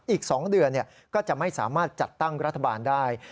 อีก๒เดือนก็จะไม่สามารถจัดตั้งรัฐบาลได้